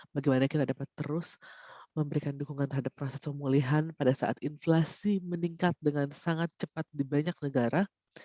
bagaimana kita dapat terus memberikan dukungan terhadap proses pemulihan pada saat inflasi meningkat dengan sangat cepat di banyak negara